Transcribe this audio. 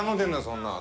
そんなの。